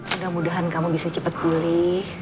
mudah mudahan kamu bisa cepat pulih